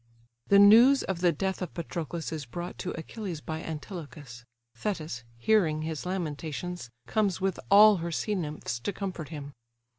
The news of the death of Patroclus is brought to Achilles by Antilochus. Thetis, hearing his lamentations, comes with all her sea nymphs to comfort him.